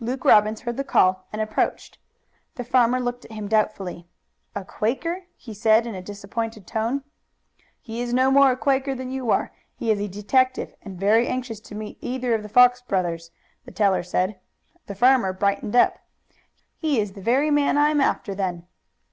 Luke Robbins heard the call and approached. The farmer looked at him doubtfully. "A Quaker?" he said in a disappointed tone. "He is no more a Quaker than you are. He is a detective, and very anxious to meet either of the Fox brothers." The farmer brightened up. "He's the man I'm after, then."